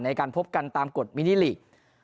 ในการพบกันตามกฎมินิลีก